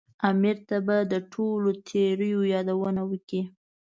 امیر ته به د ټولو تېریو یادونه وکړي.